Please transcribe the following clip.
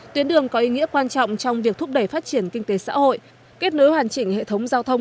tuyến đường có ý nghĩa quan trọng trong việc thúc đẩy phát triển kinh tế xã hội kết nối hoàn chỉnh hệ thống giao thông